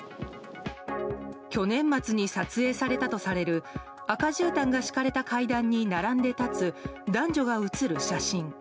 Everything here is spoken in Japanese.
去年末に撮影されたとされる赤じゅうたんが敷かれた階段に並んで立つ男女が写る写真。